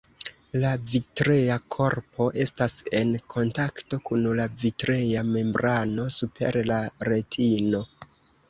La vitrea korpo estas en kontakto kun la vitrea membrano super la retino.